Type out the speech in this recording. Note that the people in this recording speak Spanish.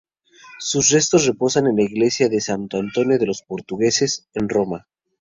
Sus restos reposan en la Iglesia de Santo Antonio de los Portugueses, en Roma.